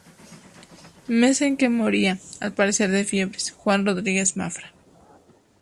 Mes en que moría, al parecer de fiebres, Juan Rodríguez Mafra.